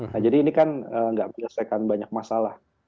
nah jadi ini kan nggak menyelesaikan banyak masalah